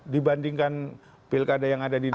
dibandingkan pilkada yang ada di